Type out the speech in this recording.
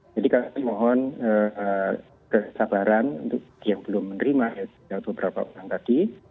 jadi kami mohon kesabaran untuk yang belum menerima yang sudah beberapa orang tadi